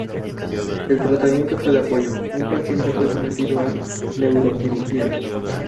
El tratamiento fue de apoyo, un paciente fue sometido a neurocirugía.